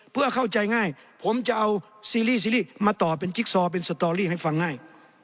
เพื่อเข้าใจง่ายผมจะเอาซีรีส์ซีรีส์มาต่อเป็นจิ๊กซอเป็นสตอรี่ให้ฟังง่าย